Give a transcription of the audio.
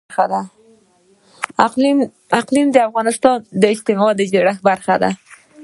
اقلیم د افغانستان د اجتماعي جوړښت برخه ده.